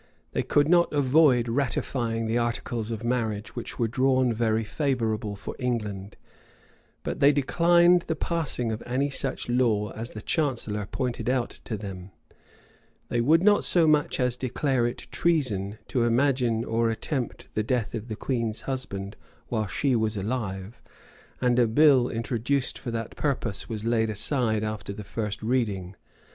They could not avoid ratifying the articles of marriage,[*] which were drawn very favorable for England; but they declined the passing of any such law as the chancellor pointed out to them: they would not so much as declare it treason to imagine or attempt the death of the queen's husband while she was alive; and a bill introduced for that purpose was laid aside after the first reading.